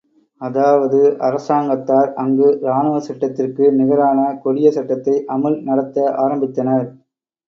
அதாவது அரசாங்கத்தார் அங்கு ராணுவச்சட்டத்திற்கு நிகரான கொடிய சட்டத்தை அமுல் நடத்த ஆரம்பித்தனர்.